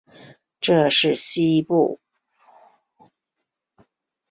这是西安地铁开工建设以来首次出现人员伤亡的事故。